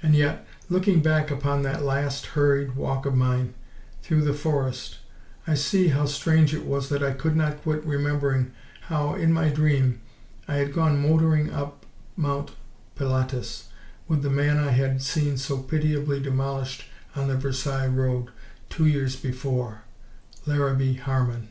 And yet, looking back upon that last, hurried walk of mine through the forest, I see how strange it was that I could not quit remembering how in my dream I had gone motoring up Mount Pilatus with the man I had seen so pitiably demolished on the Versailles road, two years before Larrabee Harman.